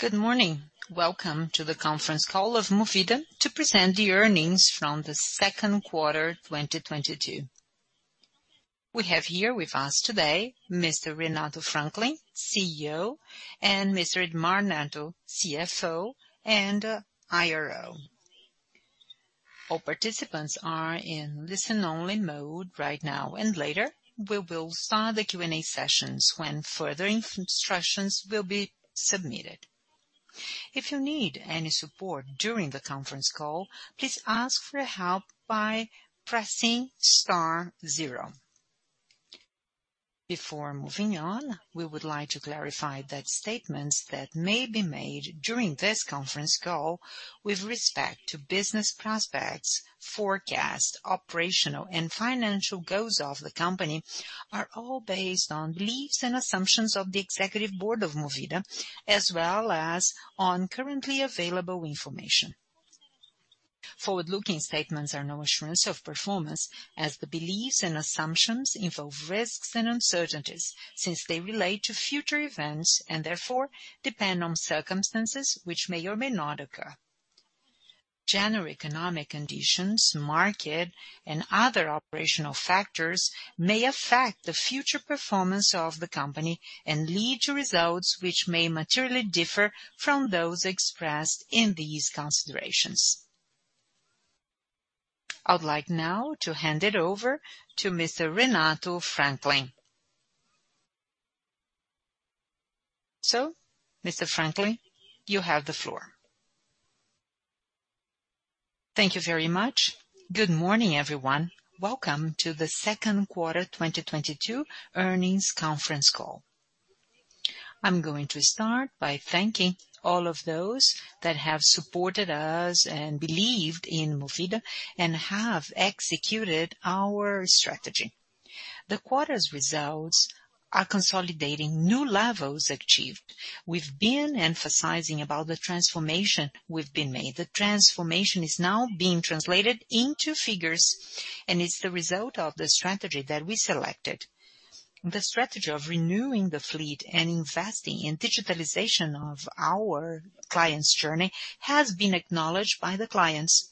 Good morning. Welcome to the conference call of Movida to present the earnings from the second quarter 2022. We have here with us today Mr. Renato Franklin, CEO, and Mr. Edmar Neto, CFO and IRO. All participants are in listen only mode right now and later, we will start the Q&A sessions when further instructions will be submitted. If you need any support during the conference call, please ask for help by pressing star zero. Before moving on, we would like to clarify that statements that may be made during this conference call with respect to business prospects, forecast, operational and financial goals of the company are all based on beliefs and assumptions of the executive board of Movida, as well as on currently available information. Forward-looking statements are no assurance of performance as the beliefs and assumptions involve risks and uncertainties since they relate to future events and therefore depend on circumstances which may or may not occur. General economic conditions, market and other operational factors may affect the future performance of the company and lead to results which may materially differ from those expressed in these considerations. I would like now to hand it over to Mr. Renato Franklin. Mr. Franklin, you have the floor. Thank you very much. Good morning, everyone. Welcome to the second quarter 2022 earnings conference call. I'm going to start by thanking all of those that have supported us and believed in Movida and have executed our strategy. The quarter's results are consolidating new levels achieved. We've been emphasizing about the transformation we've been made. The transformation is now being translated into figures, and it's the result of the strategy that we selected. The strategy of renewing the fleet and investing in digitalization of our clients' journey has been acknowledged by the clients.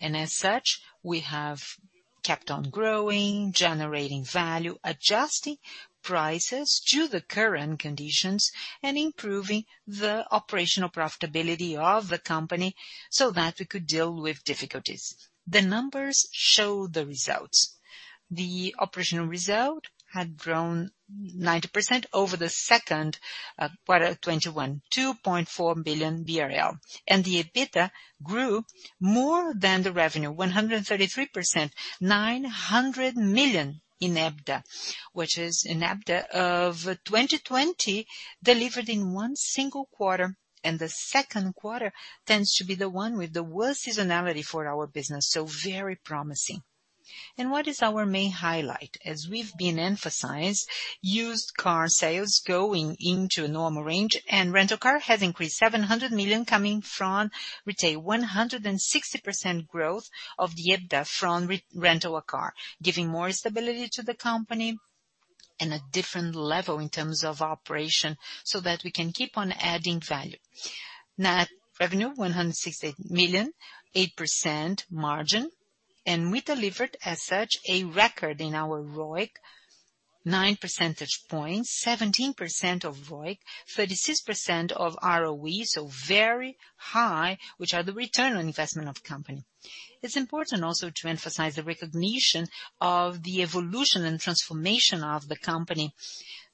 As such, we have kept on growing, generating value, adjusting prices to the current conditions and improving the operational profitability of the company so that we could deal with difficulties. The numbers show the results. The operational result had grown 90% over the second quarter of 2021, 2.4 billion BRL. The EBITDA grew more than the revenue, 133%, 900 million in EBITDA, which is an EBITDA of 2020 delivered in one single quarter, and the second quarter tends to be the one with the worst seasonality for our business, so very promising. What is our main highlight? As we've been emphasized, used car sales going into a normal range and Rent a Car has increased 700 million coming from retail. 160% growth of the EBITDA from Rent a Car, giving more stability to the company and a different level in terms of operation so that we can keep on adding value. Net revenue 168 million, 8% margin. We delivered as such a record in our ROIC, 9 percentage points, 17% ROIC, 36% ROE, so very high, which are the return on investment of the company. It's important also to emphasize the recognition of the evolution and transformation of the company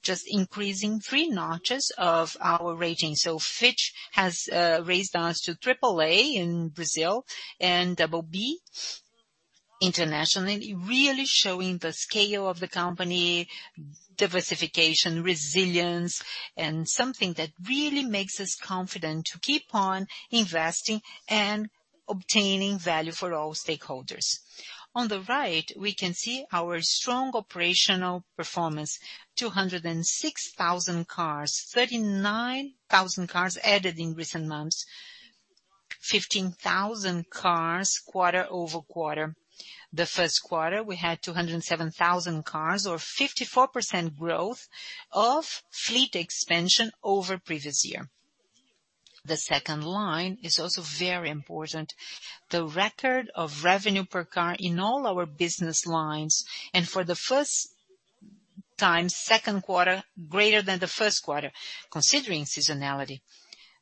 just increasing three notches of our rating. Fitch has raised us to AAA in Brazil and BB internationally, really showing the scale of the company, diversification, resilience, and something that really makes us confident to keep on investing and obtaining value for all stakeholders. On the right, we can see our strong operational performance, 206,000 cars, 39,000 cars added in recent months. 15,000 cars quarter-over-quarter. The first quarter, we had 207,000 cars or 54% growth of fleet expansion year-over-year. The second line is also very important. The record of revenue per car in all our business lines, and for the first time, second quarter greater than the first quarter, considering seasonality.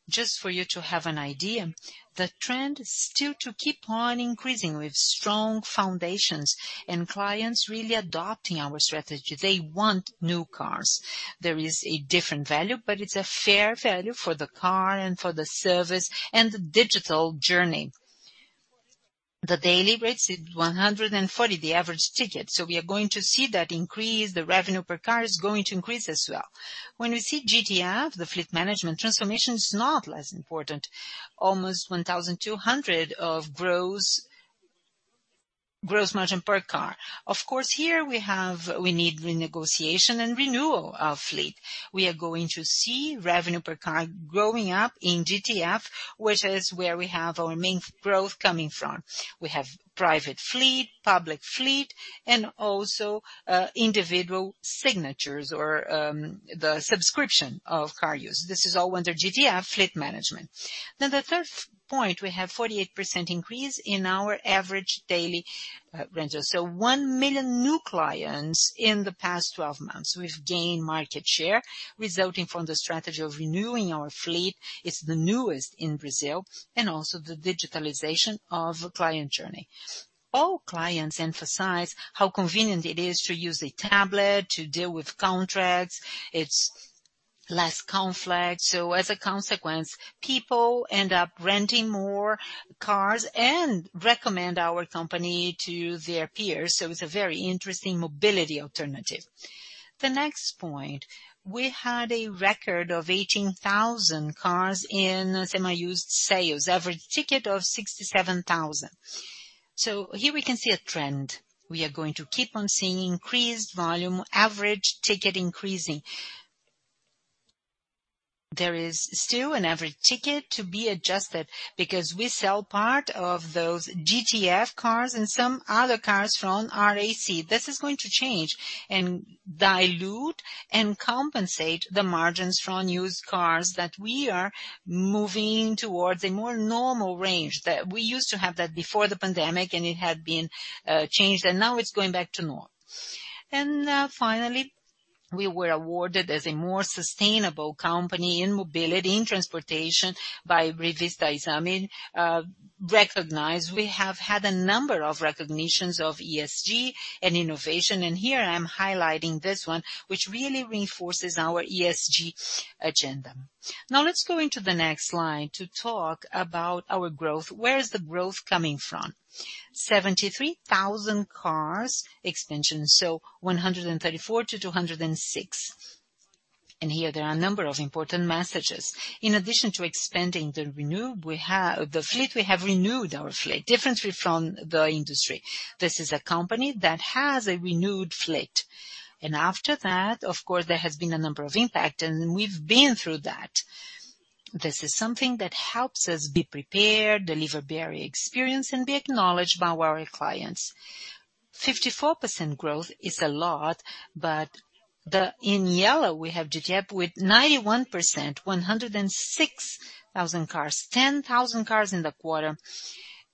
Just for you to have an idea, the trend is still to keep on increasing with strong foundations and clients really adopting our strategy. They want new cars. There is a different value, but it's a fair value for the car and for the service and the digital journey. The daily rates is 140, the average ticket. We are going to see that increase, the revenue per car is going to increase as well. When we see GTF, the fleet management transformation is not less important. Almost 1,200 of gross margin per car. Of course, here we have, we need renegotiation and renewal of fleet. We are going to see revenue per car growing up in GTF, which is where we have our main growth coming from. We have private fleet, public fleet, and also individual subscriptions or the subscription of car use. This is all under GTF fleet management. Now the third point, we have 48% increase in our average daily rentals. 1 million new clients in the past 12 months. We've gained market share resulting from the strategy of renewing our fleet. It's the newest in Brazil and also the digitalization of a client journey. All clients emphasize how convenient it is to use a tablet to deal with contracts. It's less conflict. As a consequence, people end up renting more cars and recommend our company to their peers. It's a very interesting mobility alternative. The next point, we had a record of 18,000 cars in semi-used sales. Average ticket of 67,000. Here we can see a trend. We are going to keep on seeing increased volume, average ticket increasing. There is still an average ticket to be adjusted because we sell part of those GTF cars and some other cars from RAC. This is going to change and dilute and compensate the margins from used cars that we are moving towards a more normal range that we used to have that before the pandemic, and it had been changed, and now it's going back to normal. Finally, we were awarded as a more sustainable company in mobility, in transportation by Revista Exame. Recognized, we have had a number of recognitions of ESG and innovation, and here I'm highlighting this one, which really reinforces our ESG agenda. Now let's go into the next slide to talk about our growth. Where is the growth coming from? 73,000-car expansion, so 134-206. Here there are a number of important messages. In addition to expanding the fleet, we have renewed our fleet differently from the industry. This is a company that has a renewed fleet. After that, of course, there has been a number of impact, and we've been through that. This is something that helps us be prepared, deliver better experience, and be acknowledged by our clients. 54% growth is a lot, but in yellow, we have GTF with 91%, 106,000 cars. 10,000 cars in the quarter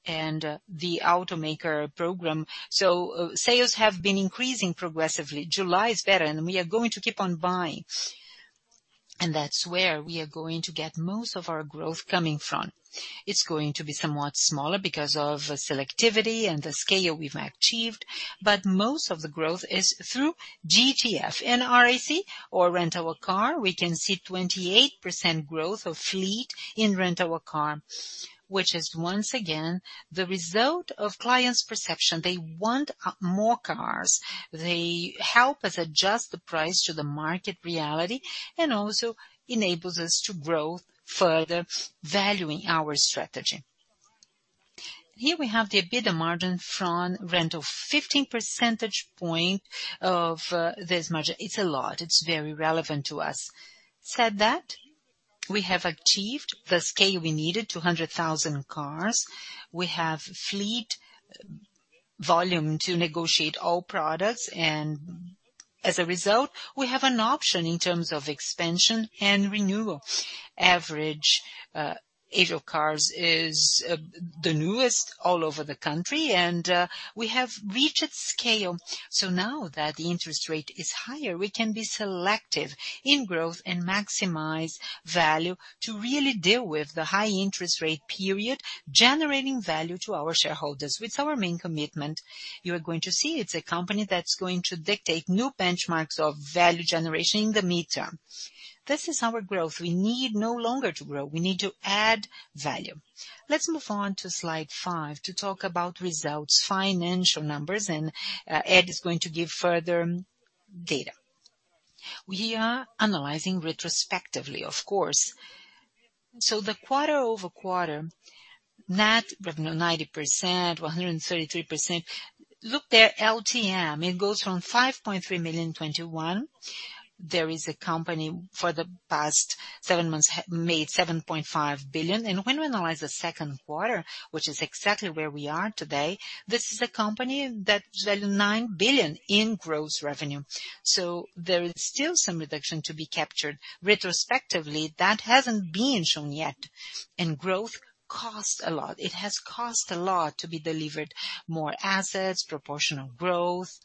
and the automaker program. Sales have been increasing progressively. July is better, and we are going to keep on buying. That's where we are going to get most of our growth coming from. It's going to be somewhat smaller because of selectivity and the scale we've achieved, but most of the growth is through GTF and RAC or Rent a Car. We can see 28% growth of fleet in Rent a Car, which is once again the result of clients' perception. They want more cars. They help us adjust the price to the market reality and also enables us to grow further value in our strategy. Here we have the EBITDA margin from rental, 15 percentage points of this margin. It's a lot. It's very relevant to us. That said, we have achieved the scale we needed, 200,000 cars. We have fleet volume to negotiate all products and as a result, we have an option in terms of expansion and renewal. Average age of cars is the newest all over the country and we have reached scale. Now that the interest rate is higher, we can be selective in growth and maximize value to really deal with the high interest rate period, generating value to our shareholders. It's our main commitment. You are going to see it's a company that's going to dictate new benchmarks of value generation in the midterm. This is our growth. We need no longer to grow. We need to add value. Let's move on to slide five to talk about results, financial numbers, and Ed is going to give further data. We are analyzing retrospectively, of course. The quarter-over-quarter, net revenue 90%, 133%. Look there, LTM, it goes from 5.3 billion in 2021. There is a company for the past seven months that has made 7.5 billion. When we analyze the second quarter, which is exactly where we are today, this is a company that's valued nine billion in gross revenue. So there is still some reduction to be captured. Retrospectively, that hasn't been shown yet. Growth costs a lot. It has cost a lot to be delivered more assets, proportional growth,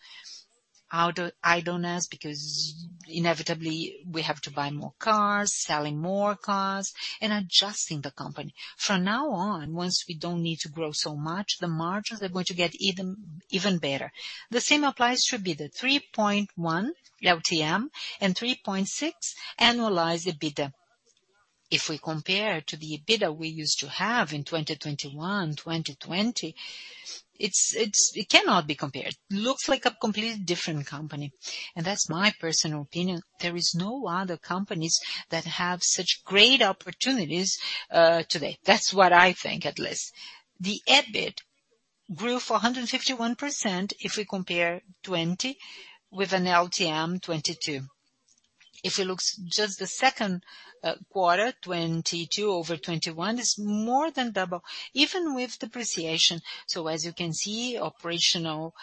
out of idleness, because inevitably we have to buy more cars, selling more cars, and adjusting the company. From now on, once we don't need to grow so much, the margins are going to get even better. The same applies to EBITDA, 3.1 LTM and 3.6 annualized EBITDA. If we compare to the EBITDA we used to have in 2021, 2020, it cannot be compared. Looks like a completely different company. That's my personal opinion. There is no other companies that have such great opportunities today. That's what I think at least. The EBIT grew for 151% if we compare 2020 with an LTM 2022. If you look just the second quarter 2022 over 2021, it's more than double, even with depreciation. As you can see, operational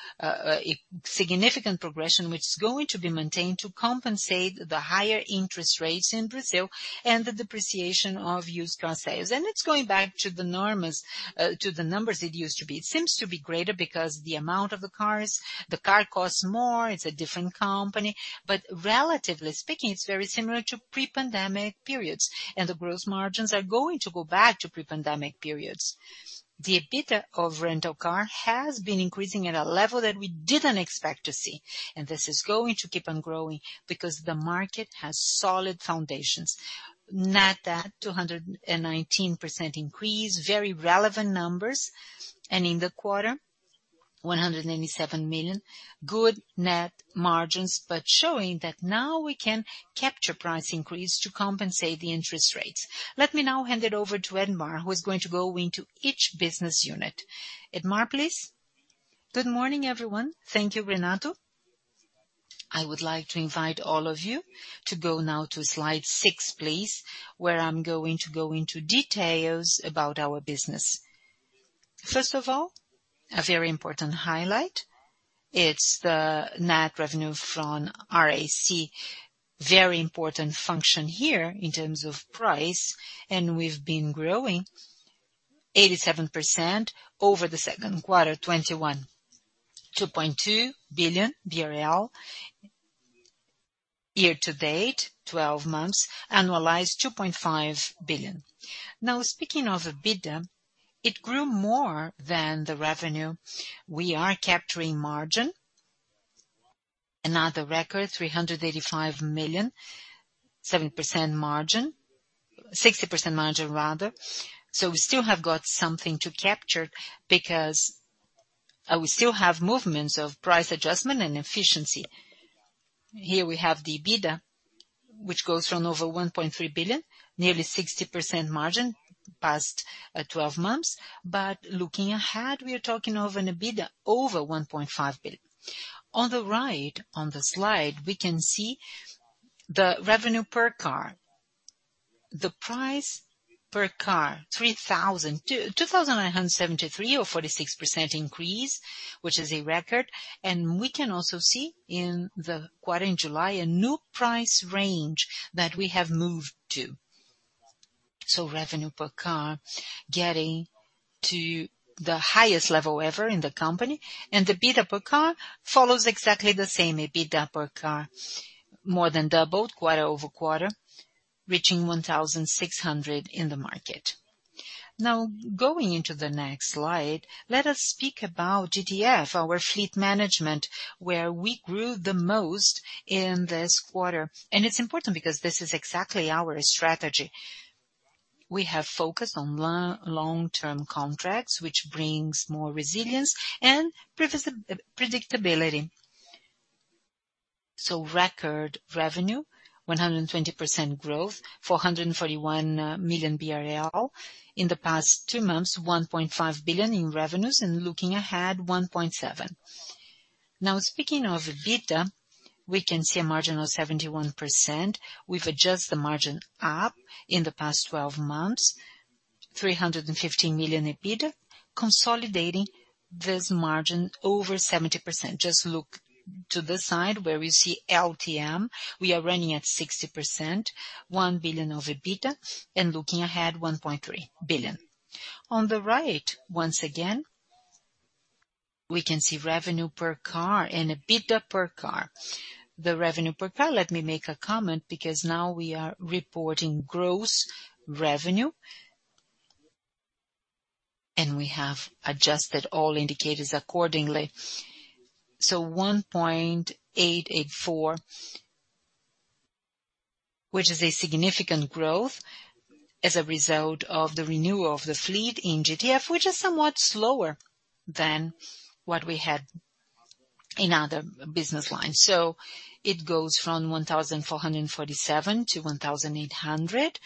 significant progression which is going to be maintained to compensate the higher interest rates in Brazil and the depreciation of used car sales. It's going back to the normals to the numbers it used to be. It seems to be greater because the amount of the cars, the car costs more, it's a different company. Relatively speaking, it's very similar to pre-pandemic periods, and the growth margins are going to go back to pre-pandemic periods. The EBITDA of Rent a Car has been increasing at a level that we didn't expect to see, and this is going to keep on growing because the market has solid foundations. Net at 219% increase, very relevant numbers. In the quarter, 187 million. Good net margins, but showing that now we can capture price increase to compensate the interest rates. Let me now hand it over to Edmar, who is going to go into each business unit. Edmar, please. Good morning, everyone. Thank you, Renato. I would like to invite all of you to go now to slide six, please, where I'm going to go into details about our business. First of all, a very important highlight. It's the net revenue from RAC. Very important function here in terms of price, and we've been growing 87% over the second quarter 2021. 2.2 billion BRL. Year-to-date, 12 months, annualized 2.5 billion. Now, speaking of EBITDA, it grew more than the revenue. We are capturing margin. Another record, 385 million, 7% margin. 60% margin, rather. We still have got something to capture because we still have movements of price adjustment and efficiency. Here we have the EBITDA, which goes from over 1.3 billion, nearly 60% margin past twelve months. Looking ahead, we are talking of an EBITDA over 1.5 billion. On the right, on the slide, we can see the revenue per car. The price per car, 2,973 or 46% increase, which is a record. We can also see in the quarter in July a new price range that we have moved to. Revenue per car getting to the highest level ever in the company. EBITDA per car follows exactly the same. EBITDA per car more than doubled quarter-over-quarter, reaching 1,600 in the market. Now, going into the next slide, let us speak about GTF, our fleet management, where we grew the most in this quarter. It's important because this is exactly our strategy. We have focused on long-term contracts, which brings more resilience and predictability. Record revenue, 120% growth, 441 million BRL. In the past two months, 1.5 billion in revenues, and looking ahead, 1.7 billion. Now speaking of EBITDA, we can see a margin of 71%. We've adjusted the margin up in the past twelve months. 350 million EBITDA, consolidating this margin over 70%. Just look to this side where we see LTM. We are running at 60%, 1 billion of EBITDA, and looking ahead, 1.3 billion. On the right, once again, we can see revenue per car and EBITDA per car. The revenue per car, let me make a comment because now we are reporting gross revenue, and we have adjusted all indicators accordingly. One point eight eight four, which is a significant growth as a result of the renewal of the fleet in GTF, which is somewhat slower than what we had in other business lines. It goes from 1,447 to 1,800.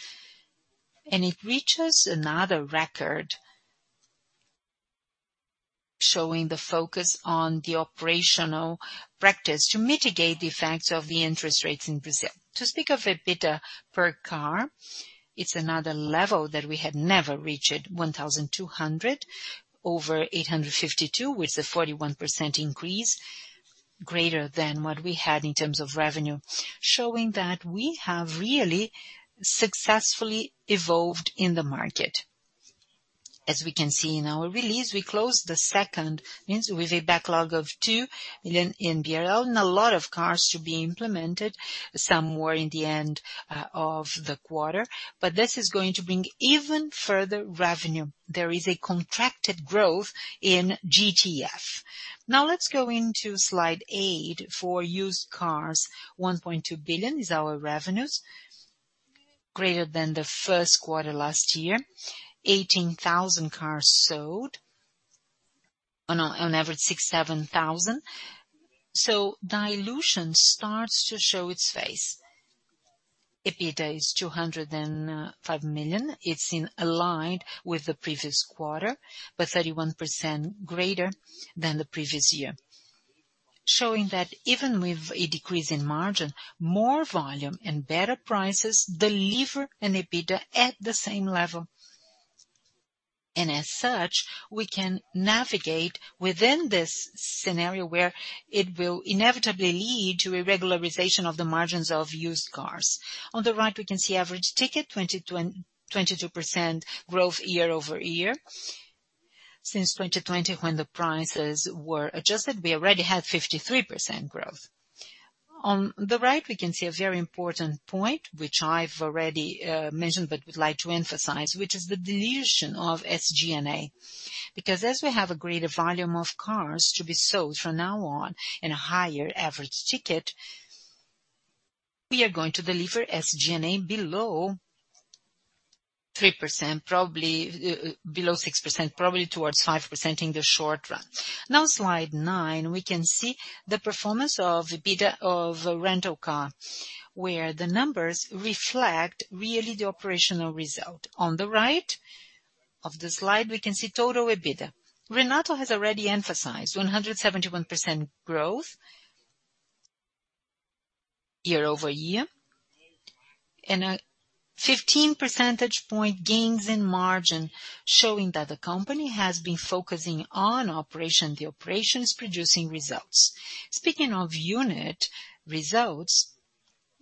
It reaches another record showing the focus on the operational practice to mitigate the effects of the interest rates in Brazil. To speak of EBITDA per car, it's another level that we had never reached, 1,200 over 852, with a 41% increase greater than what we had in terms of revenue, showing that we have really successfully evolved in the market. As we can see in our release, we closed the second with a backlog of 2 billion BRL and a lot of cars to be implemented, some more in the end of the quarter. This is going to bring even further revenue. There is a contracted growth in GTF. Now let's go into slide eight for used cars. 1.2 billion is our revenues, greater than the first quarter last year. 18,000 cars sold on average 6,000-7,000. Dilution starts to show its face. EBITDA is 205 million. It's aligned with the previous quarter, but 31% greater than the previous year. Showing that even with a decrease in margin, more volume and better prices deliver an EBITDA at the same level. As such, we can navigate within this scenario where it will inevitably lead to a regularization of the margins of used cars. On the right, we can see average ticket 22% growth year-over-year. Since 2020, when the prices were adjusted, we already had 53% growth. On the right, we can see a very important point, which I've already mentioned, but would like to emphasize, which is the dilution of SG&A. Because as we have a greater volume of cars to be sold from now on and a higher average ticket, we are going to deliver SG&A below 3%, probably, below 6%, probably towards 5% in the short run. Now, slide nine, we can see the performance of EBITDA of Rent a Car, where the numbers reflect really the operational result. On the right of the slide, we can see total EBITDA. Renato has already emphasized 171% growth year-over-year. A 15 percentage point gains in margin showing that the company has been focusing on operation, the operations producing results. Speaking of unit results,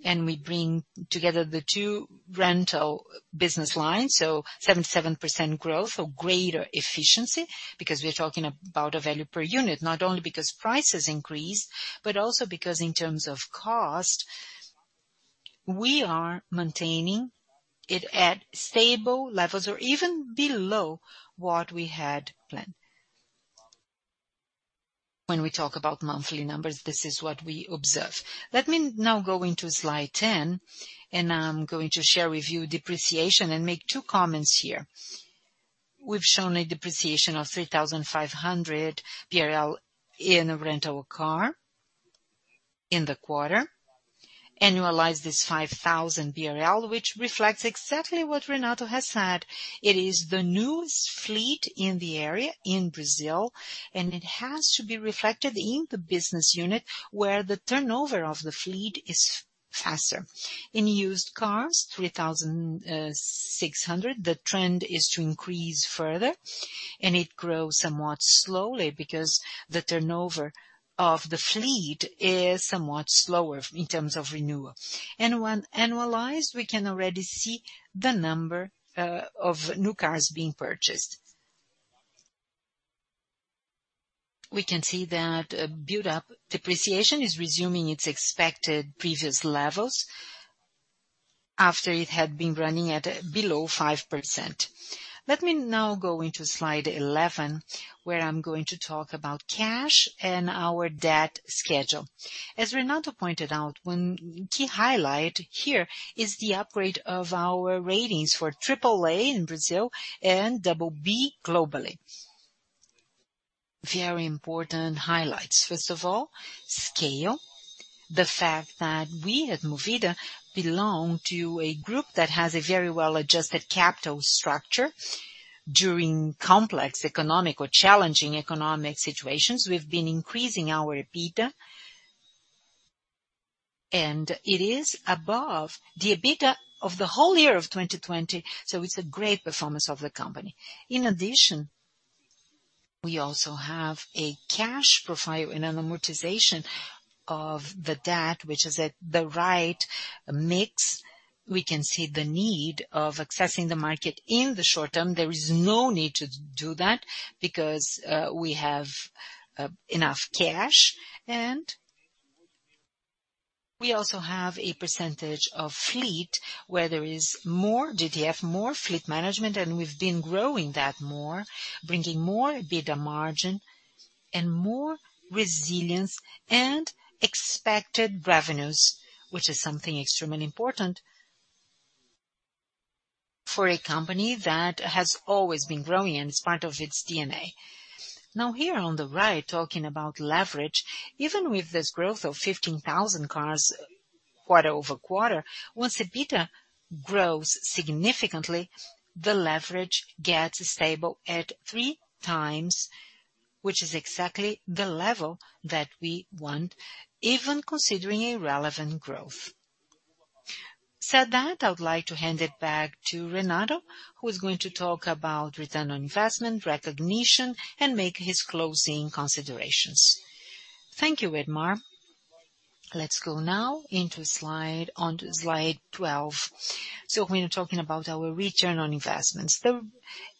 we bring together the two rental business lines, 77% growth or greater efficiency, because we're talking about a value per unit, not only because prices increased, but also because in terms of cost, we are maintaining it at stable levels or even below what we had planned. When we talk about monthly numbers, this is what we observe. Let me now go into slide 10, and I'm going to share with you depreciation and make two comments here. We've shown a depreciation of 3,500 in a Rent a Car in the quarter. Annualized is 5,000 BRL, which reflects exactly what Renato has said. It is the newest fleet in the area in Brazil, and it has to be reflected in the business unit where the turnover of the fleet is faster. In used cars, 3,600, the trend is to increase further, and it grows somewhat slowly because the turnover of the fleet is somewhat slower in terms of renewal. When annualized, we can already see the number of new cars being purchased. We can see that buildup depreciation is resuming its expected previous levels after it had been running at below 5%. Let me now go into slide 11, where I'm going to talk about cash and our debt schedule. As Renato pointed out, one key highlight here is the upgrade of our ratings for triple-A in Brazil and double-B globally. Very important highlights. First of all, scale. The fact that we at Movida belong to a group that has a very well-adjusted capital structure. During complex economic or challenging economic situations, we've been increasing our EBITDA. It is above the EBITDA of the whole year of 2020, so it's a great performance of the company. In addition, we also have a cash profile and an amortization of the debt, which is at the right mix. We can see the need of accessing the market in the short term. There is no need to do that because we have enough cash. We also have a percentage of fleet where there is more GTF, more fleet management, and we've been growing that more, bringing more EBITDA margin and more resilience and expected revenues, which is something extremely important for a company that has always been growing and it's part of its DNA. Now here on the right, talking about leverage, even with this growth of 15,000 cars quarter-over-quarter, once EBITDA grows significantly, the leverage gets stable at 3x, which is exactly the level that we want, even considering relevant growth. That said, I would like to hand it back to Renato, who is going to talk about return on investment, recognition, and make his closing considerations. Thank you, Edmar. Let's go now into slide 12. When you're talking about our return on investments. The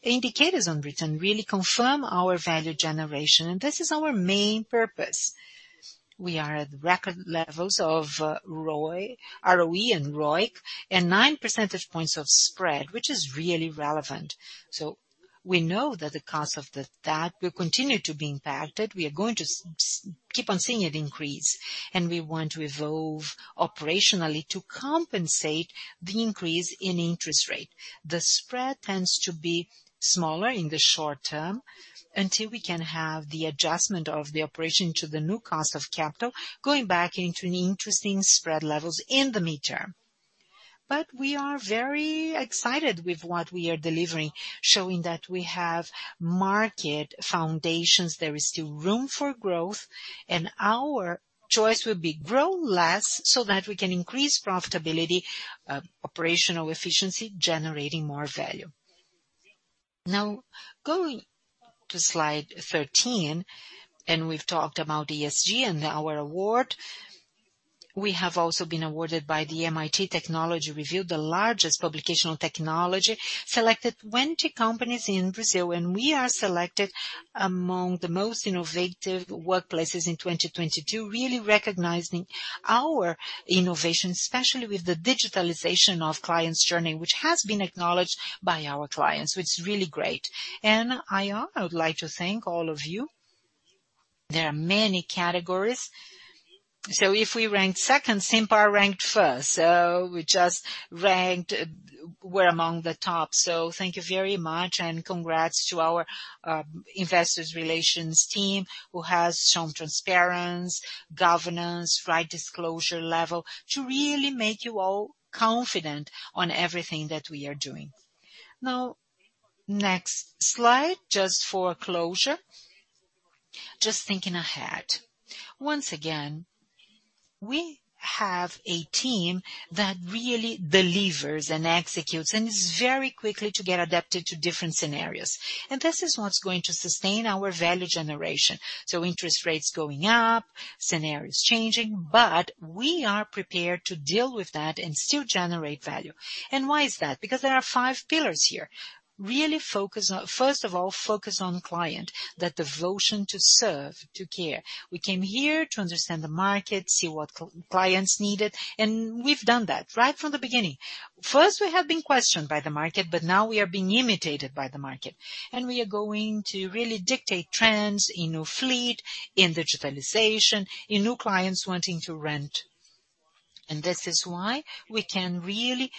indicators on return really confirm our value generation, and this is our main purpose. We are at record levels of ROI, ROE and ROIC and 9 percentage points of spread, which is really relevant. We know that the cost of the debt will continue to be impacted. We are going to keep on seeing it increase, and we want to evolve operationally to compensate the increase in interest rate. The spread tends to be smaller in the short term until we can have the adjustment of the operation to the new cost of capital going back into an interesting spread levels in the midterm. We are very excited with what we are delivering, showing that we have market foundations. There is still room for growth, and our choice will be grow less so that we can increase profitability, operational efficiency, generating more value. Now going to slide 13, and we've talked about ESG and our award. We have also been awarded by the MIT Technology Review, the largest publication on technology. Selected 20 companies in Brazil, and we are selected among the most innovative workplaces in 2022. Really recognizing our innovation, especially with the digitalization of clients' journey, which has been acknowledged by our clients, which is really great. I would like to thank all of you. There are many categories. If we ranked second, Simpar ranked first. We just ranked, we're among the top. Thank you very much, and congrats to our investor relations team who has shown transparency, governance, right disclosure level to really make you all confident on everything that we are doing. Now, next slide, just for closure. Just thinking ahead. Once again, we have a team that really delivers and executes, and is very quickly to get adapted to different scenarios. This is what's going to sustain our value generation. Interest rates going up, scenarios changing, but we are prepared to deal with that and still generate value. Why is that? There are five pillars here. First of all, focus on client, that devotion to serve, to care. We came here to understand the market, see what clients needed, and we've done that right from the beginning. First, we have been questioned by the market, but now we are being imitated by the market. We are going to really dictate trends in new fleet, in digitalization, in new clients wanting to rent. This is why we can really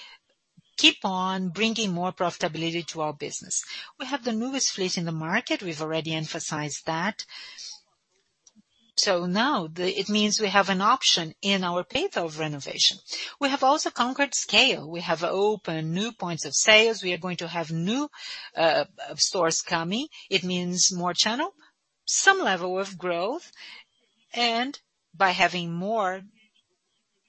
keep on bringing more profitability to our business. We have the newest fleet in the market. We've already emphasized that. Now it means we have an option in our pay-off renovation. We have also conquered scale. We have opened new points of sales. We are going to have new stores coming. It means more channel, some level of growth. By having more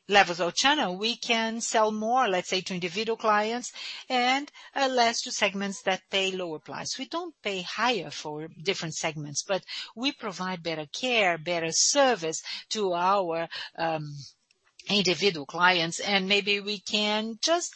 levels of channel, we can sell more, let's say, to individual clients and less to segments that pay lower price. We don't pay higher for different segments, but we provide better care, better service to our individual clients, and maybe we can just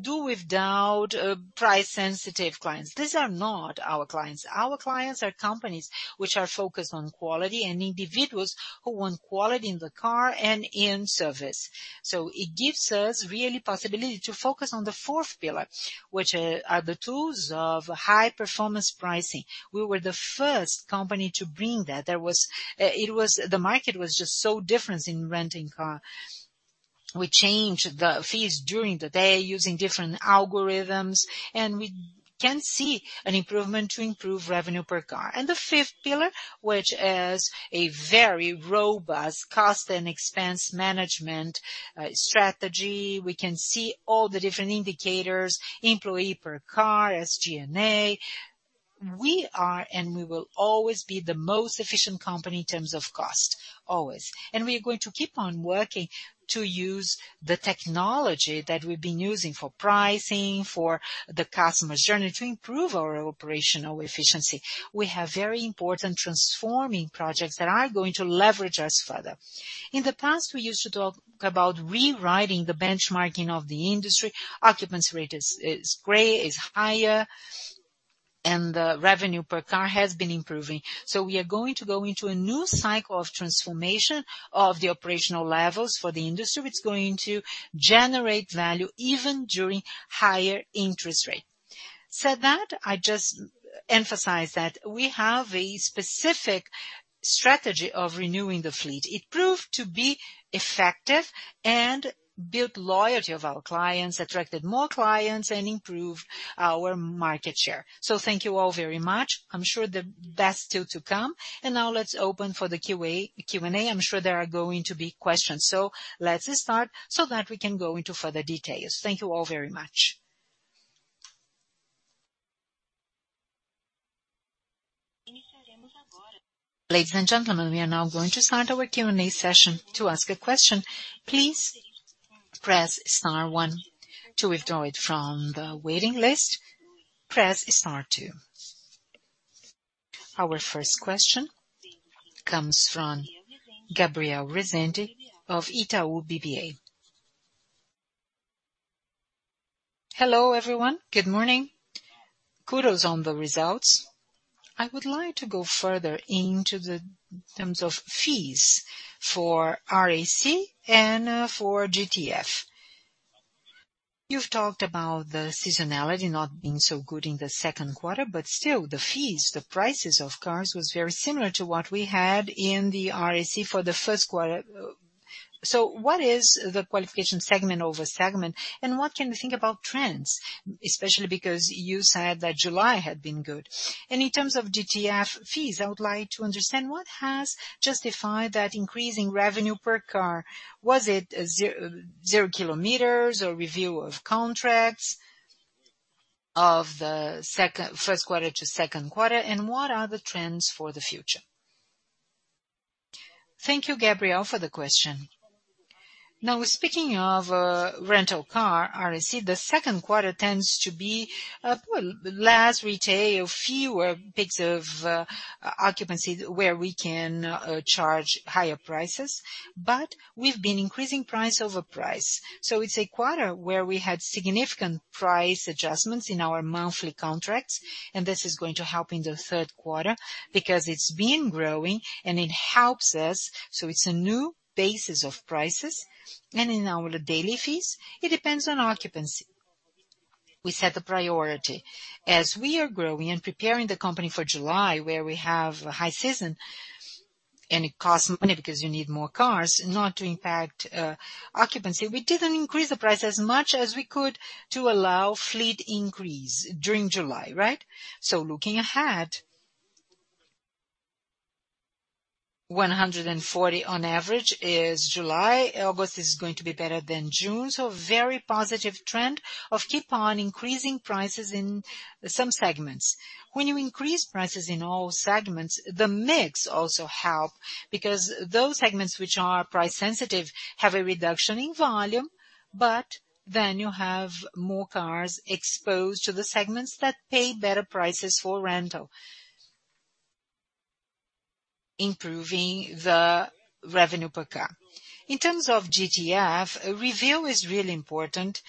do without price-sensitive clients. These are not our clients. Our clients are companies which are focused on quality and individuals who want quality in the car and in service. It gives us really possibility to focus on the fourth pillar, which are the tools of high performance pricing. We were the first company to bring that. The market was just so different in Rent a Car. We changed the fees during the day using different algorithms, and we can see an improvement to improve revenue per car. The fifth pillar, which is a very robust cost and expense management strategy. We can see all the different indicators, employee per car, SG&A. We are and we will always be the most efficient company in terms of cost, always. We are going to keep on working to use the technology that we've been using for pricing, for the customer's journey to improve our operational efficiency. We have very important transforming projects that are going to leverage us further. In the past, we used to talk about rewriting the benchmarking of the industry. Occupancy rate is great, higher, and the revenue per car has been improving. We are going to go into a new cycle of transformation of the operational levels for the industry, which is going to generate value even during higher interest rate. That said, I just emphasize that we have a specific strategy of renewing the fleet. It proved to be effective and built loyalty of our clients, attracted more clients, and improved our market share. Thank you all very much. I'm sure the best still to come. Now let's open for the Q&A. I'm sure there are going to be questions. Let's start so that we can go into further details. Thank you all very much. Ladies and gentlemen, we are now going to start our Q&A session. To ask a question, please press star one. To withdraw it from the waiting list, press star two. Our first question comes from Gabriel Rezende of Itaú BBA. Hello, everyone. Good morning. Kudos on the results. I would like to go further into the in terms of fees for RAC and for GTF. You've talked about the seasonality not being so good in the second quarter, but still the fees, the prices of cars was very similar to what we had in the RAC for the first quarter. What is the utilization segment over segment? What can we think about trends, especially because you said that July had been good. In terms of GTF fees, I would like to understand what has justified that increase in revenue per car. Was it 0 km or review of contracts? Of the first quarter to second quarter, and what are the trends for the future? Thank you, Gabriel, for the question. Now, speaking of Rent a Car, RAC, the second quarter tends to be well, less retail, fewer peaks of occupancy where we can charge higher prices. But we've been increasing price over price. It's a quarter where we had significant price adjustments in our monthly contracts, and this is going to help in the third quarter because it's been growing, and it helps us. It's a new basis of prices. In our daily fees, it depends on occupancy. We set the priority. As we are growing and preparing the company for July, where we have a high season, and it costs money because you need more cars, not to impact occupancy, we didn't increase the price as much as we could to allow fleet increase during July, right? Looking ahead, 140 on average is July. August is going to be better than June. Very positive trend of keep on increasing prices in some segments. When you increase prices in all segments, the mix also help because those segments which are price sensitive have a reduction in volume, but then you have more cars exposed to the segments that pay better prices for rental. Improving the revenue per car. In terms of GTF, review is really important.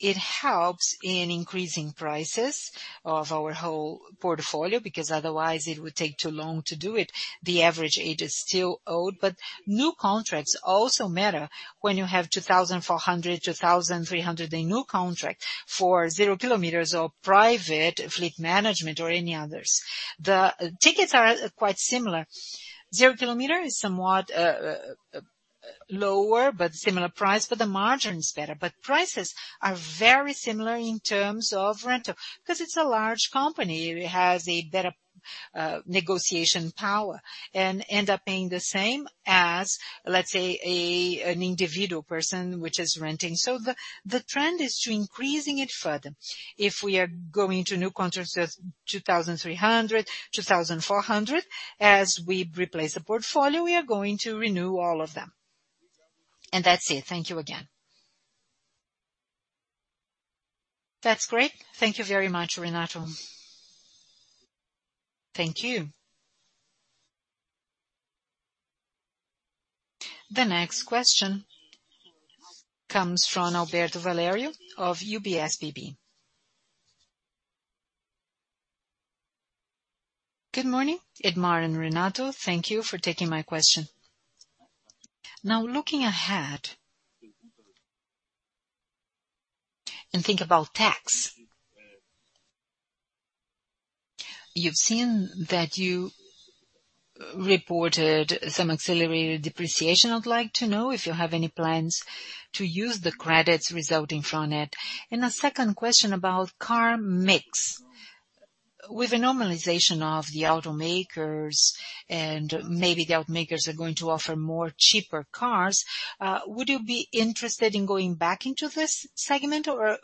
It helps in increasing prices of our whole portfolio because otherwise it would take too long to do it. The average age is still old, but new contracts also matter when you have 2,400, 2,300 day new contract for 0 km or private fleet management or any others. The tickets are quite similar. Zero kilometer is somewhat lower but similar price, but the margin is better. Prices are very similar in terms of rental because it's a large company. It has a better negotiation power and end up paying the same as, let's say an individual person which is renting. So the trend is to increasing it further. If we are going to new contracts with 2,300, 2,400, as we replace the portfolio, we are going to renew all of them. That's it. Thank you again. That's great. Thank you very much, Renato. Thank you. The next question comes from Alberto Valerio of UBS BB. Good morning, Edmar and Renato. Thank you for taking my question. Now, looking ahead and think about tax. You've seen that you reported some accelerated depreciation. I'd like to know if you have any plans to use the credits resulting from it. And a second question about car mix. With the normalization of the automakers and maybe the automakers are going to offer more cheaper cars, would you be interested in going back into this segment, or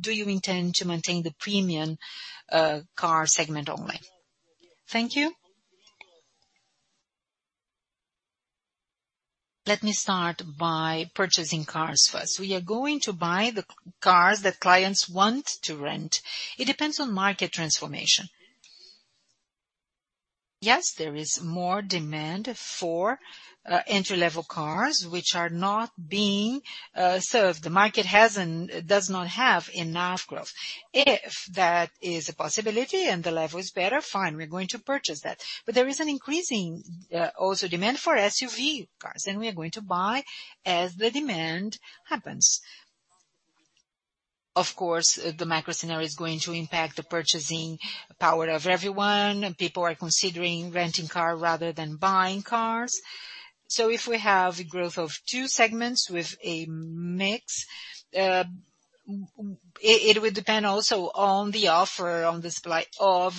do you intend to maintain the premium car segment only? Thank you. Let me start by purchasing cars first. We are going to buy the cars that clients want to rent. It depends on market transformation. Yes, there is more demand for entry-level cars which are not being served. The market does not have enough growth. If that is a possibility and the level is better, fine, we're going to purchase that. There is an increasing also demand for SUV cars, and we are going to buy as the demand happens. Of course, the macro scenario is going to impact the purchasing power of everyone, and people are considering renting car rather than buying cars. If we have a growth of two segments with a mix, it would depend also on the offer on the supply of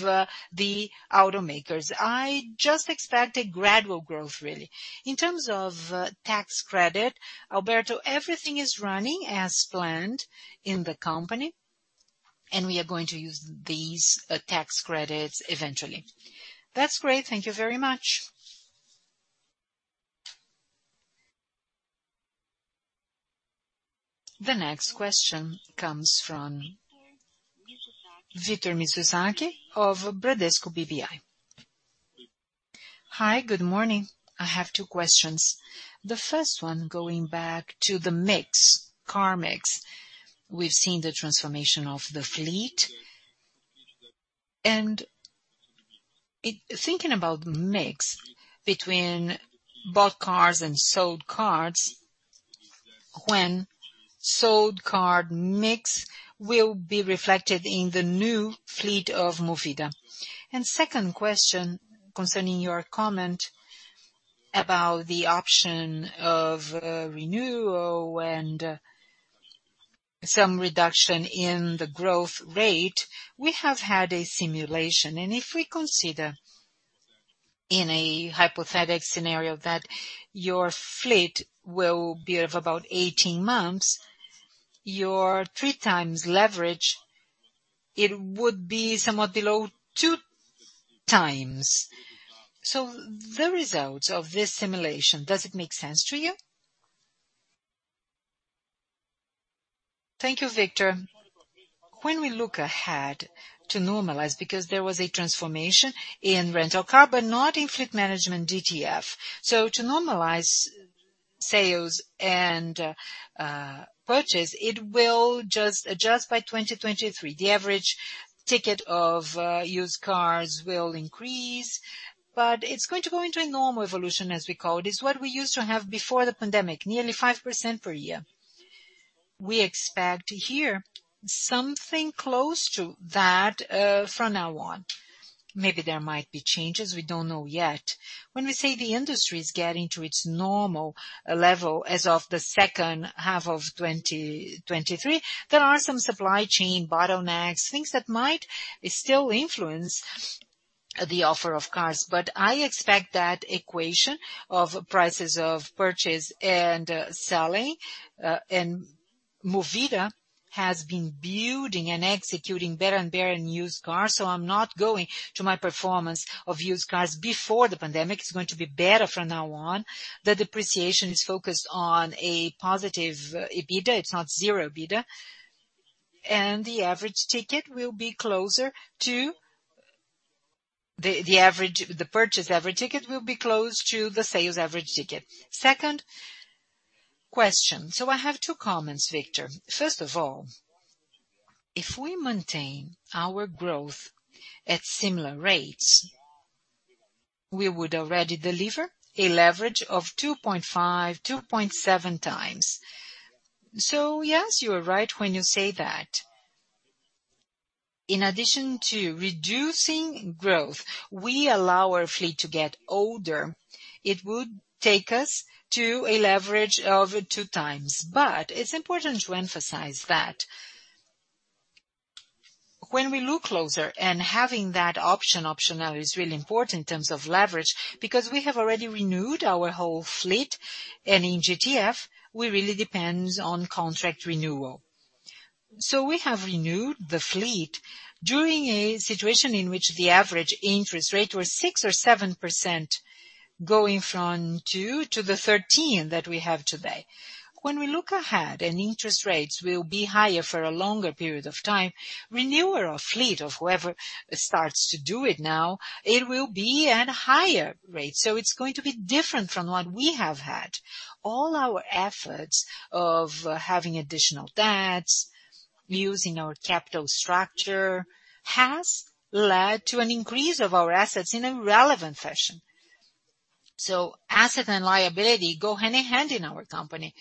the automakers. I just expect a gradual growth, really. In terms of tax credit, Alberto, everything is running as planned in the company, and we are going to use these tax credits eventually. That's great. Thank you very much. The next question comes from Victor Mizusaki of Bradesco BBI. Hi, good morning. I have two questions. The first one, going back to the mix, car mix. We've seen the transformation of the fleet. Thinking about mix between bought cars and sold cars, when sold car mix will be reflected in the new fleet of Movida. Second question concerning your comment about the option of renewal and some reduction in the growth rate, we have had a simulation. If we consider. In a hypothetic scenario that your fleet will be of about 18 months, your 3x leverage, it would be somewhat below 2x. The results of this simulation, does it make sense to you? Thank you, Victor. When we look ahead to normalize, because there was a transformation in Rent a Car, but not in fleet management GTF. To normalize sales and purchase, it will just adjust by 2023. The average ticket of used cars will increase, but it's going to go into a normal evolution, as we call it. It's what we used to have before the pandemic, nearly 5% per year. We expect to hear something close to that from now on. Maybe there might be changes, we don't know yet. When we say the industry is getting to its normal level as of the second half of 2023, there are some supply chain bottlenecks, things that might still influence the offer of cars. I expect that equation of prices of purchase and selling, and Movida has been building and executing better and better used cars, so I'm not comparing the performance of used cars before the pandemic. It's going to be better from now on. The depreciation is focused on a positive EBITDA. It's not zero EBITDA. The average ticket will be closer to the purchase average ticket, which will be close to the sales average ticket. Second question. I have two comments, Victor. First of all, if we maintain our growth at similar rates, we would already deliver a leverage of 2.5-2.7x. Yes, you are right when you say that. In addition to reducing growth, we allow our fleet to get older. It would take us to a leverage of 2x. It's important to emphasize that when we look closer and having that option, optionality is really important in terms of leverage, because we have already renewed our whole fleet. In GTF, we really depend on contract renewal. We have renewed the fleet during a situation in which the average interest rate was 6% or 7%, going from 2% to the 13% that we have today. When we look ahead and interest rates will be higher for a longer period of time, renewal of fleet of whoever starts to do it now, it will be at a higher rate. It's going to be different from what we have had. All our efforts of having additional debts, using our capital structure, has led to an increase of our assets in a relevant fashion. Asset and liability go hand in hand in our company.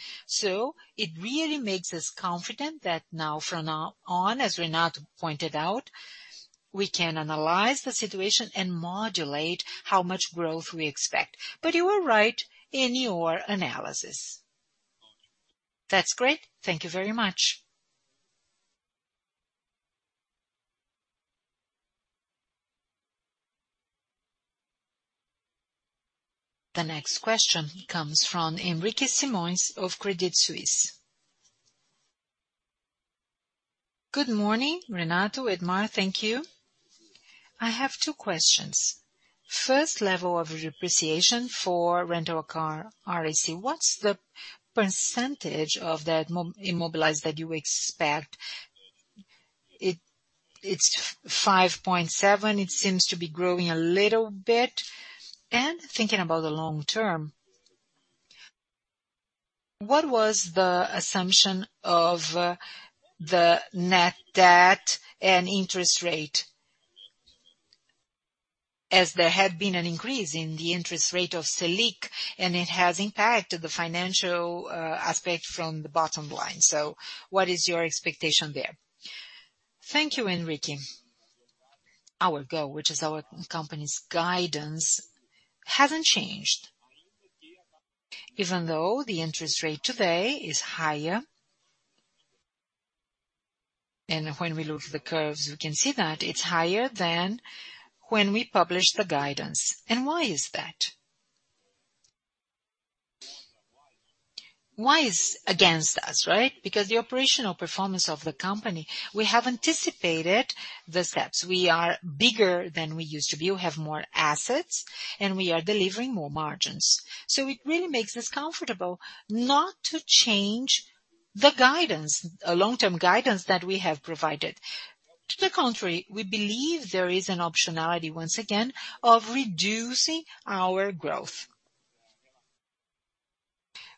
It really makes us confident that now from now on, as Renato pointed out, we can analyze the situation and modulate how much growth we expect. You are right in your analysis. That's great. Thank you very much. The next question comes from Henrique Simões of Credit Suisse. Good morning, Renato, Edmar. Thank you. I have two questions. First, level of depreciation for Rent a Car RAC. What's the percentage of that immobilized that you expect? It's 5.7%. It seems to be growing a little bit. Thinking about the long term, what was the assumption of the net debt and interest rate, as there had been an increase in the interest rate of Selic, and it has impacted the financial aspect from the bottom line. What is your expectation there? Thank you, Henrique. Our goal, which is our company's guidance, hasn't changed. Even though the interest rate today is higher, and when we look at the curves, we can see that it's higher than when we published the guidance. Why is that? Why is that against us, right? Because the operational performance of the company, we have anticipated the steps. We are bigger than we used to be. We have more assets, and we are delivering more margins. It really makes us comfortable not to change the guidance, long-term guidance that we have provided. To the contrary, we believe there is an optionality, once again, of reducing our growth.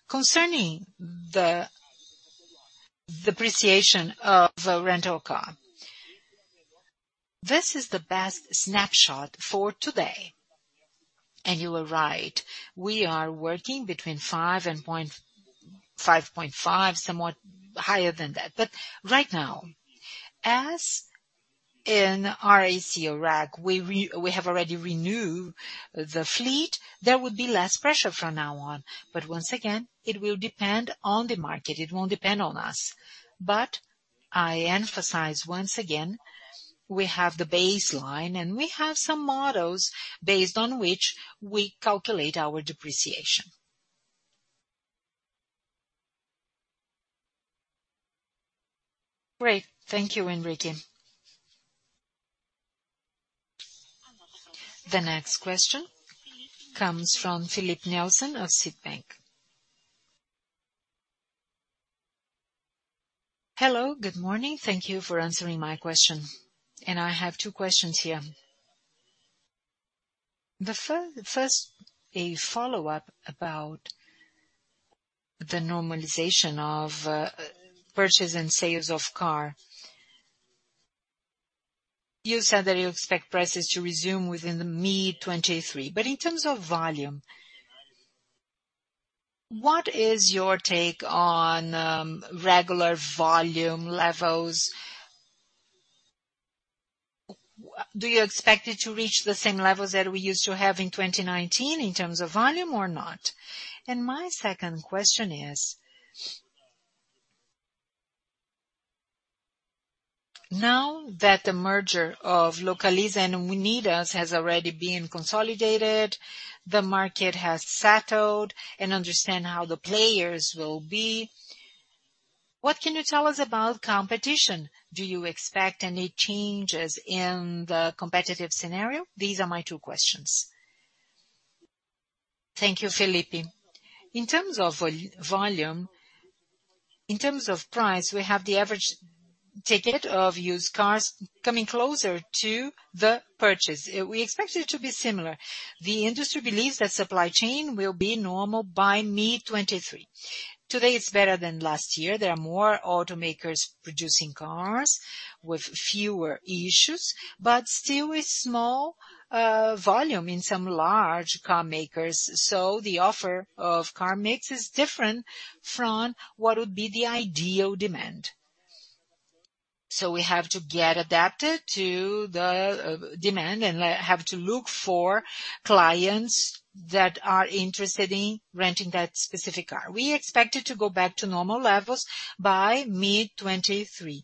Concerning the depreciation of the Rent a Car, this is the best snapshot for today. You are right. We are working between 5% and 5.5%, somewhat higher than that. Right now, as in our RAC, we have already renewed the fleet. There would be less pressure from now on. Once again, it will depend on the market. It won't depend on us. I emphasize once again, we have the baseline and we have some models based on which we calculate our depreciation. Great. Thank you, Henrique. The next question comes from Felipe Nielsen of Citibank. Hello, good morning. Thank you for answering my question. I have two questions here. The first, a follow-up about the normalization of purchase and sales of car. You said that you expect prices to resume within the mid-2023, but in terms of volume, what is your take on regular volume levels? Do you expect it to reach the same levels that we used to have in 2019 in terms of volume or not? My second question is, now that the merger of Localiza and Unidas has already been consolidated, the market has settled and understand how the players will be, what can you tell us about competition? Do you expect any changes in the competitive scenario? These are my two questions. Thank you, Felipe. In terms of volume, in terms of price, we have the average ticket of used cars coming closer to the purchase. We expect it to be similar. The industry believes that supply chain will be normal by mid-2023. Today is better than last year. There are more automakers producing cars with fewer issues, but still with small volume in some large car makers. The offer of car makes is different from what would be the ideal demand. We have to get adapted to the demand and have to look for clients that are interested in renting that specific car. We expect it to go back to normal levels by mid-2023.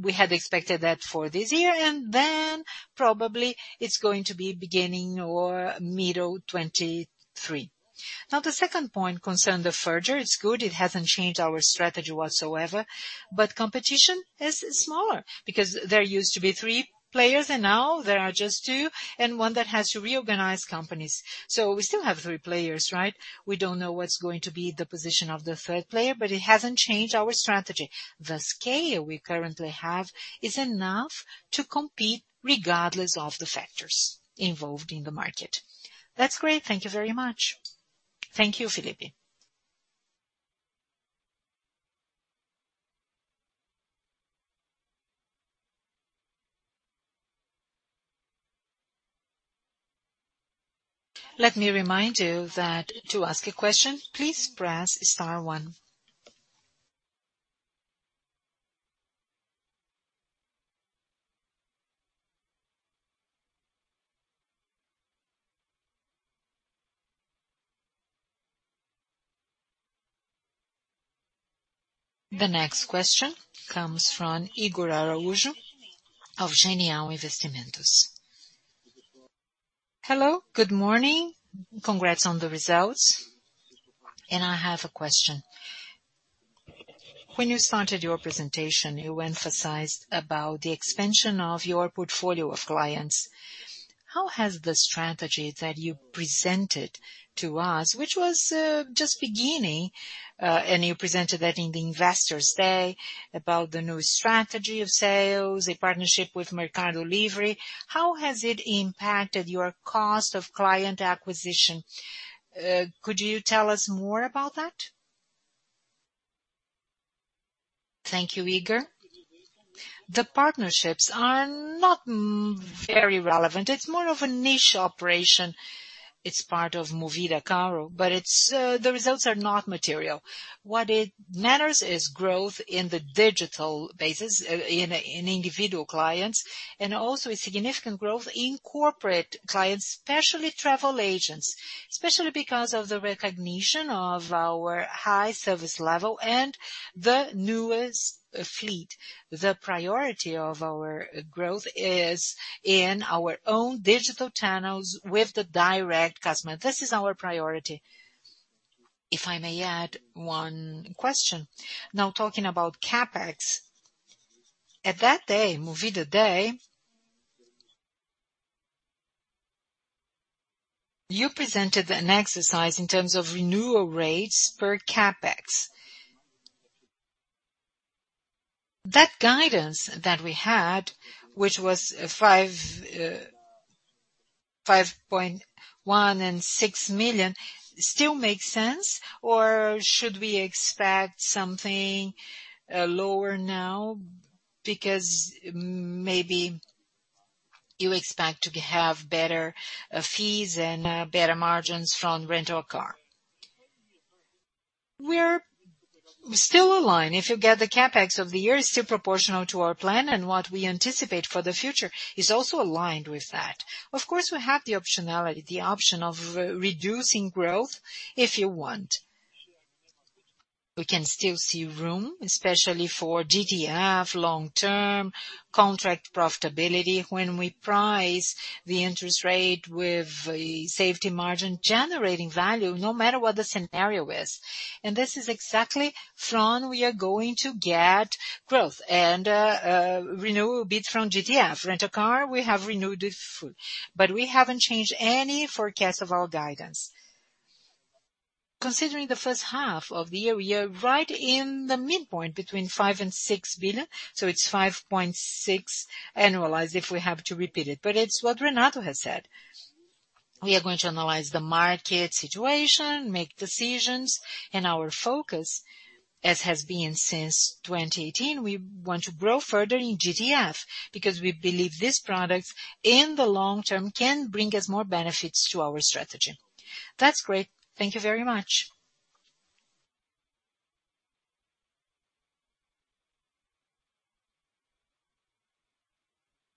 We had expected that for this year, and then probably it's going to be beginning or middle 2023. Now, the second point concerned the merger. It's good. It hasn't changed our strategy whatsoever, but competition is smaller because there used to be three players and now there are just two, and one that has to reorganize companies. We still have three players, right? We don't know what's going to be the position of the third player, but it hasn't changed our strategy. The scale we currently have is enough to compete regardless of the factors involved in the market. That's great. Thank you very much. Thank you, Felipe. Let me remind you that to ask a question, please press star one. The next question comes from Igor Araújo of Genial Investimentos. Hello, good morning. Congrats on the results. I have a question. When you started your presentation, you emphasized about the expansion of your portfolio of clients. How has the strategy that you presented to us, which was just beginning and you presented that in the Investors Day about the new strategy of sales, a partnership with Mercado Livre, how has it impacted your cost of client acquisition? Could you tell us more about that? Thank you, Igor. The partnerships are not very relevant. It's more of a niche operation. It's part of Movida Carro, but it's the results are not material. What matters is growth in the digital base in individual clients, and also a significant growth in corporate clients, especially travel agents, especially because of the recognition of our high service level and the newest fleet. The priority of our growth is in our own digital channels with the direct customer. This is our priority. If I may add one question. Now, talking about CapEx, at that day, Movida Day, you presented an exercise in terms of renewal rates per CapEx. That guidance that we had, which was 5.1 and 6 million still makes sense, or should we expect something lower now because maybe you expect to have better fees and better margins from Rent a Car? We're still aligned. If you get the CapEx of the year, it's still proportional to our plan, and what we anticipate for the future is also aligned with that. Of course, we have the optionality, the option of reducing growth if you want. We can still see room, especially for GTF long term contract profitability when we price the interest rate with the safety margin generating value no matter what the scenario is. This is exactly what we are going to get growth and renew a bit from GTF. Rent a Car, we have renewed it fully, but we haven't changed any forecast of our guidance. Considering the first half of the year, we are right in the midpoint between 5 billion and 6 billion. So it's 5.6 billion annualized if we have to repeat it. It's what Renato has said. We are going to analyze the market situation, make decisions, and our focus, as has been since 2018, we want to grow further in GTF because we believe these products in the long term can bring us more benefits to our strategy. That's great. Thank you very much.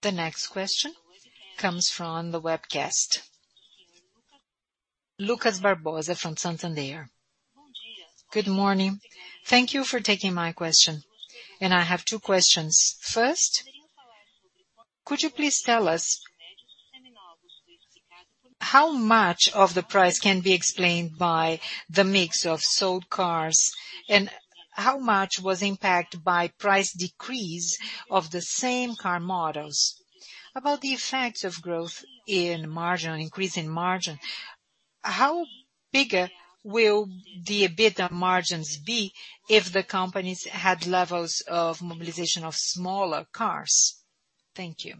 The next question comes from the webcast. Lucas Barbosa from Santander. Good morning. Thank you for taking my question. I have two questions. First, could you please tell us how much of the price can be explained by the mix of sold cars, and how much was impacted by price decrease of the same car models? About the effects of growth in margin, increase in margin, how bigger will the EBITDA margins be if the companies had levels of mobilization of smaller cars? Thank you.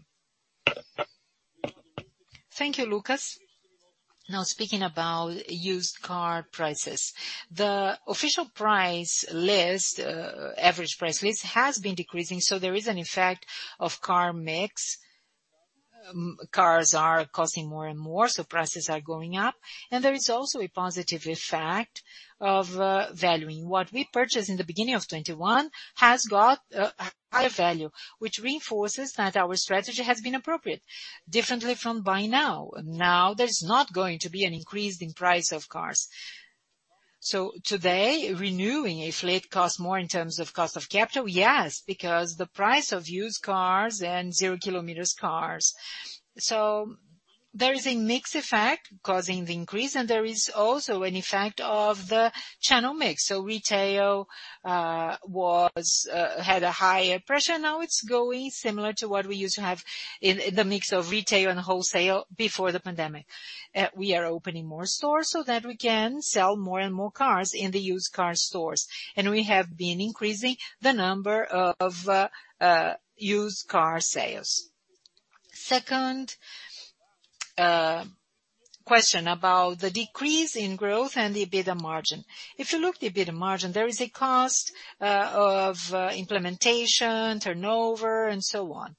Thank you, Lucas. Now speaking about used car prices. The official price list, average price list has been decreasing, so there is an effect of car mix. Cars are costing more and more, so prices are going up. There is also a positive effect of valuing. What we purchased in the beginning of 2021 has got a higher value, which reinforces that our strategy has been appropriate differently from buying now. Now there's not going to be an increase in price of cars. Today, renewing a fleet costs more in terms of cost of capital. Yes, because the price of used cars and 0 km cars. There is a mix effect causing the increase, and there is also an effect of the channel mix. Retail had a higher pressure. Now it's going similar to what we used to have in the mix of retail and wholesale before the pandemic. We are opening more stores so that we can sell more and more cars in the used car stores. We have been increasing the number of used car sales. Second question about the decrease in growth and the EBITDA margin. If you look at the EBITDA margin, there is a cost of implementation, turnover, and so on.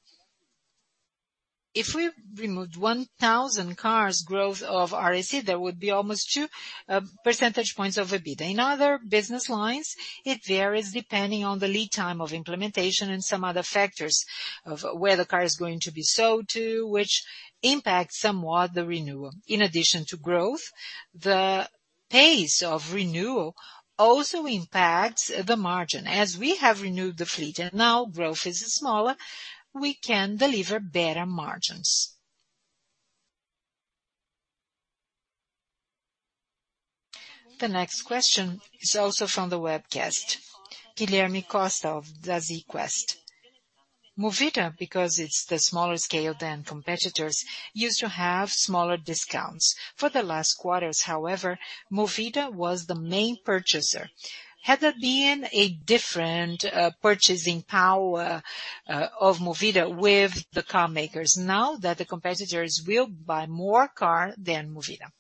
If we removed 1,000 cars growth of RAC, there would be almost two percentage points of EBITDA. In other business lines, it varies depending on the lead time of implementation and some other factors of where the car is going to be sold to, which impacts somewhat the renewal. In addition to growth, the pace of renewal also impacts the margin. As we have renewed the fleet and now growth is smaller, we can deliver better margins. The next question is also from the webcast. Guilherme Costa of AZ Quest. Movida, because it's the smaller scale than competitors, used to have smaller discounts. For the last quarters, however, Movida was the main purchaser. Had there been a different purchasing power of Movida with the car makers now that the competitors will buy more cars than Movida?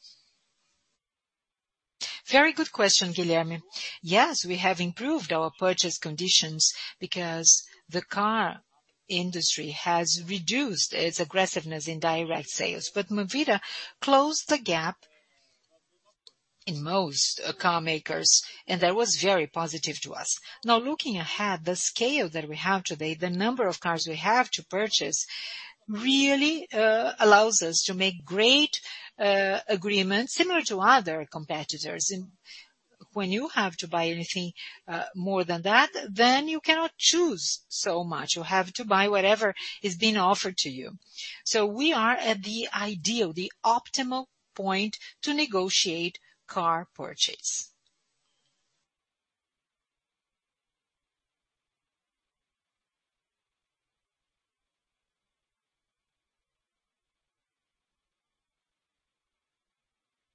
Very good question, Guilherme. Yes, we have improved our purchase conditions because the car industry has reduced its aggressiveness in direct sales. Movida closed the gap in most car makers, and that was very positive to us. Now, looking ahead, the scale that we have today, the number of cars we have to purchase really allows us to make great agreements similar to other competitors. When you have to buy anything more than that, then you cannot choose so much. You have to buy whatever is being offered to you. We are at the ideal, the optimal point to negotiate car purchase.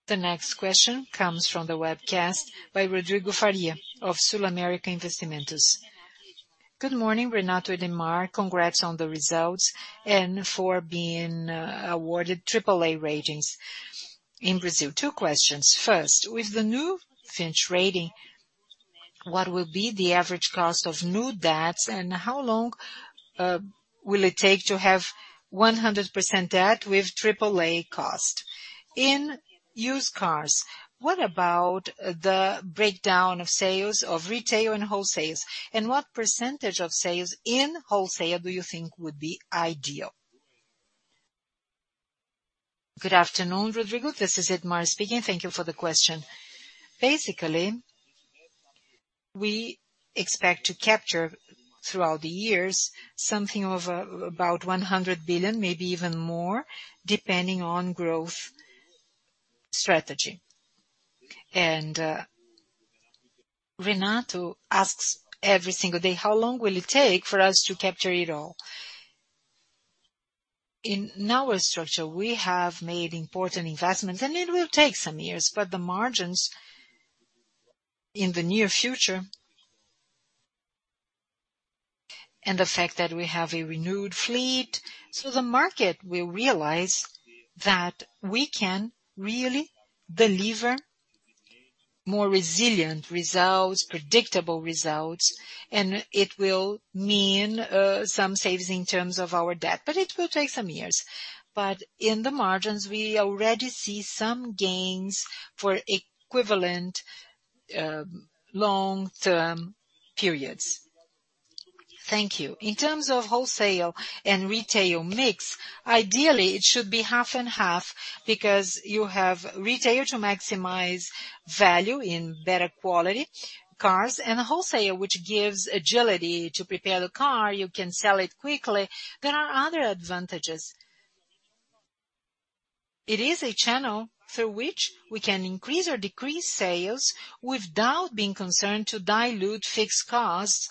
The next question comes from the webcast by Rodrigo Faria of SulAmérica Investimentos. Good morning, Renato and Edmar. Congrats on the results and for being awarded triple A ratings in Brazil. Two questions. First, with the new Fitch rating, what will be the average cost of new debts, and how long will it take to have 100% debt with triple-A cost? In used cars, what about the breakdown of sales of retail and wholesale, and what percentage of sales in wholesale do you think would be ideal? Good afternoon, Rodrigo. This is Edmar speaking. Thank you for the question. Basically, we expect to capture throughout the years something of about 100 billion, maybe even more, depending on growth strategy. Renato asks every single day, how long will it take for us to capture it all? In our structure, we have made important investments, and it will take some years, but the margins in the near future and the fact that we have a renewed fleet. The market will realize that we can really deliver more resilient results, predictable results, and it will mean some savings in terms of our debt, but it will take some years. In the margins, we already see some gains for equivalent long-term periods. Thank you. In terms of wholesale and retail mix, ideally, it should be half and half because you have retail to maximize value in better quality cars and a wholesaler which gives agility. To prepare the car, you can sell it quickly. There are other advantages. It is a channel through which we can increase or decrease sales without being concerned to dilute fixed costs,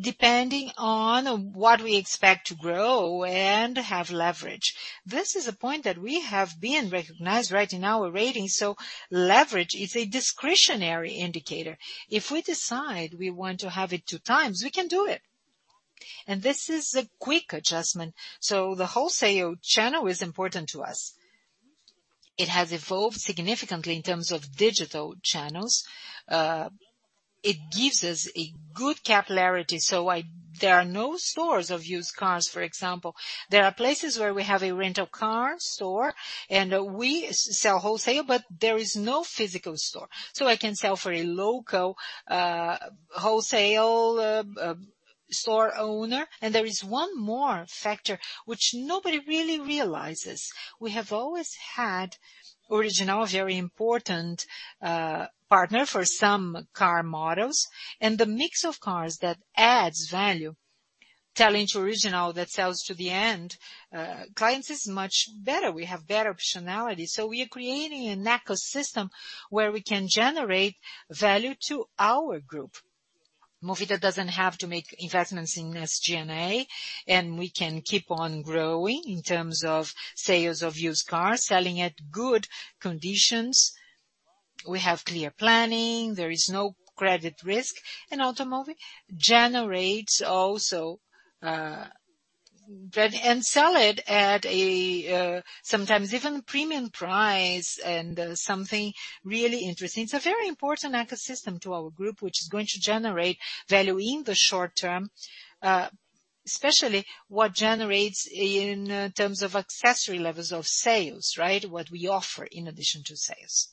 depending on what we expect to grow and have leverage. This is a point that we have been recognized, right, in our ratings, so leverage is a discretionary indicator. If we decide we want to have it two times, we can do it. This is a quick adjustment. The wholesale channel is important to us. It has evolved significantly in terms of digital channels. It gives us a good capillarity. There are no stores of used cars, for example. There are places where we have a Rent a Car store and we sell wholesale, but there is no physical store. I can sell to a local wholesale store owner. There is one more factor which nobody really realizes. We have always had original, very important, partner for some car models and the mix of cars that adds value. Selling to original that sells to the end, clients is much better. We have better optionality. We are creating an ecosystem where we can generate value to our group. Movida doesn't have to make investments in SG&A, and we can keep on growing in terms of sales of used cars, selling at good conditions. We have clear planning. There is no credit risk. Automotive generates also, rent and sell it at a, sometimes even premium price and, something really interesting. It's a very mportant ecosystem to our group which is going to generate value in the short term, especially what generates in terms of accessory levels of sales, right? What we offer in addition to sales.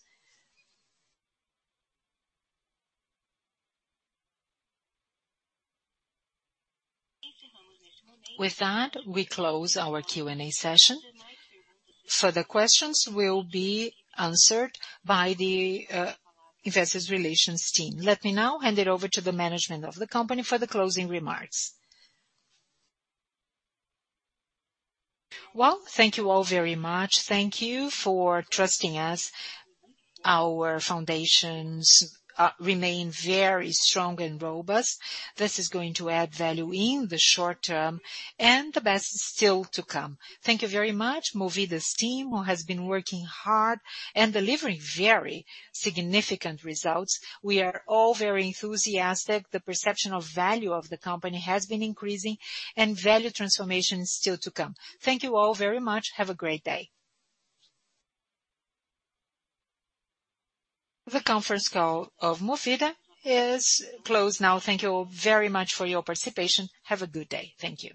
With that, we close our Q&A session. Further questions will be answered by the investors' relations team. Let me now hand it over to the management of the company for the closing remarks. Well, thank you all very much. Thank you for trusting us. Our foundations remain very strong and robust. This is going to add value in the short term and the best is still to come. Thank you very much. Movida's team who has been working hard and delivering very significant results. We are all very enthusiastic. The perception of value of the company has been increasing and value transformation is still to come. Thank you all very much. Have a great day. The conference call of Movida is closed now. Thank you all very much for your participation. Have a good day. Thank you.